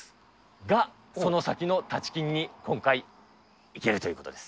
が、その先のタチキンに、今回行けるということです。